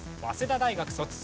早稲田大学卒。